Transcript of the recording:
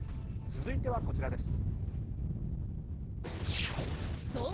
続いては、こちらです。